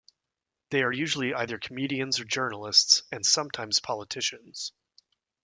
They are usually either comedians or journalists, and sometimes politicians.